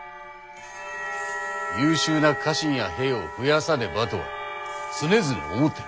優秀な家臣や兵を増やさねばとは常々思っている。